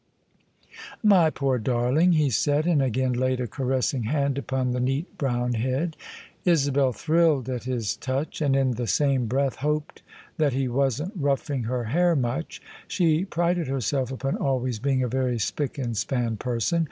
" My poor darling! " he said: and again laid a caressing hand upon the neat brown head. Isabel thrilled at his touch, and in the same breath hoped that he wasn't roughing her hair much: she prided herself upon always being a very spick and span person.